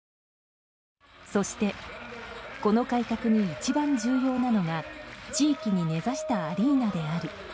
そして、この改革に一番重要なのが地域に根差したアリーナである。